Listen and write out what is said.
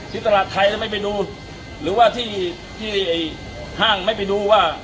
ที่ตลาดไทยไม่ไปดูหรือว่าที่ที่ห้างไม่ไปดูว่า